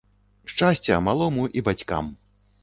Шчасця малому і бацькам!